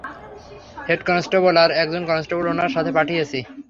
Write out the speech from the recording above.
Head constable আর একজন constable, উানার সাথে পাঠিয়েছি।